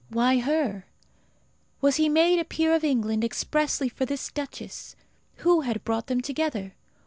Why her? Was he made a peer of England expressly for this duchess? Who had brought them together?